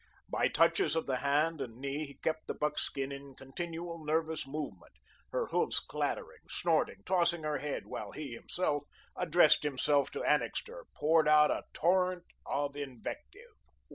By touches of the hand and knee he kept the buckskin in continual, nervous movement, her hoofs clattering, snorting, tossing her head, while he, himself, addressing himself to Annixter, poured out a torrent of invective.